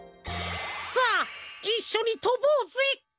さあいっしょにとぼうぜ！